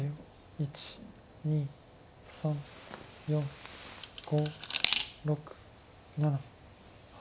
１２３４５６７８。